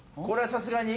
さすがに。